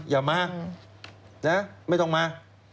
อย่ามานะไม่ต้องมา